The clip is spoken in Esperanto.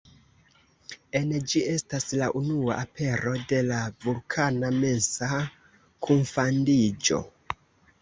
En ĝi estas la unua apero de la Vulkana mensa kunfandiĝo.